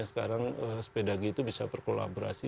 sepeda g itu bisa berkolaborasi